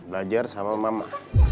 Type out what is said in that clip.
belajar sama mama